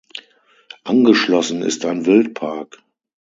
Angeschlossen ist ein Wildpark.